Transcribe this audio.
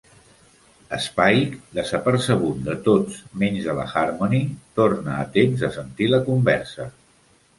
Spike, desapercebut de tots menys de la Harmony, torna a temps de sentir la conversa.